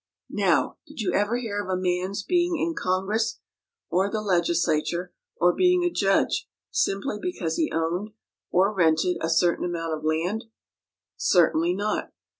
Now, did you ever hear of a man's being in Congress, or the legislature, or being a judge simply because he owned or rented a certain amount of land? Certainly not.